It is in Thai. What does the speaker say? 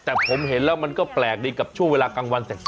แต่ผมเห็นแล้วมันก็แปลกดีกับช่วงเวลากลางวันแสก